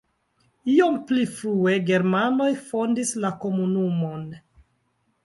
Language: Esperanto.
Iom pli frue germanoj fondis la komunumon.